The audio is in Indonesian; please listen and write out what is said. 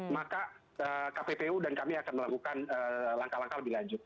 maka kppu dan kami akan melakukan langkah langkah lebih lanjut